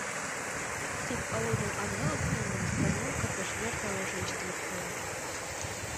Тик ауылдың арғы осонан ғына гармун ҡатыш йыр тауышы ишетелеп ҡала.